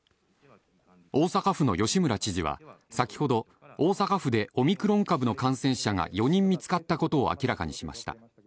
大阪府の吉村知事は先ほど、大阪府でオミクロン株の感染者が４人見つかったことを明らかにしました。